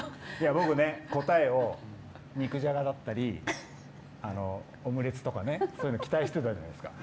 僕、答えを肉じゃがだったりオムレツとかそういうの期待してたじゃないですか。